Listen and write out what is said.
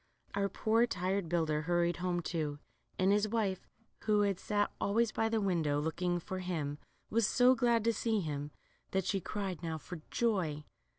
Our poor tired builder hurried home too, and his wife, who had sat always by the window looking for hini, was so glad to see him that she cried now for joy.